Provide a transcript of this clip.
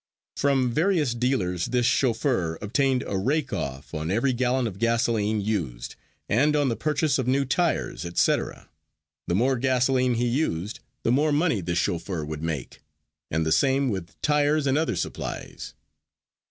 From various dealers this chauffeur obtained a "rake off" on every gallon of gasoline used, and on the purchase of new tires, etc. The more gasoline he used the more money this chauffeur would make, and the same with tires and other supplies.